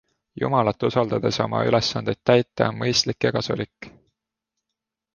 Jumalat usaldades oma ülesandeid täita on mõistlik ja kasulik.